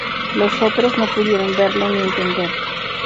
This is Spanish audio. Los otros no pudieron verlo ni entenderlo.